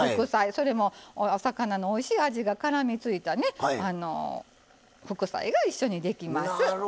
それも、お魚のおいしい味がからみついた副菜が一緒にできます。